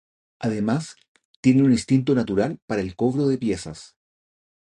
Además, tiene un instinto natural para el cobro de piezas.